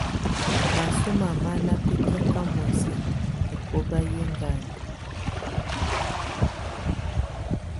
Masọmá má ná bɛ́kɛ̀áká muɛsɛ ɛ́bɔ́ká yɛ́ ɛŋganda.